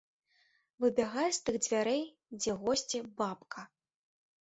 Выбягае з тых дзвярэй, дзе госці, бабка.